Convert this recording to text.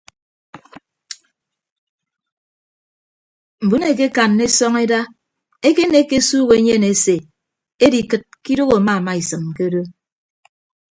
Mbon eekekanna esọñeda ekenekke esuuk enyen ese edikịd ke idooho amaamaisịm ke odo.